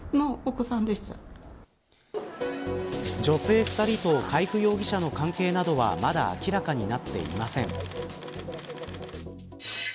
女性２人と海部容疑者の関係などは、まだ明らかになっていません。